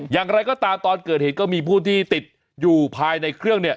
อย่างไรก็ตามตอนเกิดเหตุก็มีผู้ที่ติดอยู่ภายในเครื่องเนี่ย